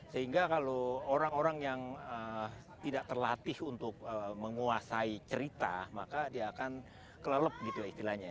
sehingga kalau orang orang yang tidak terlatih untuk menguasai cerita maka dia akan kelelep gitu istilahnya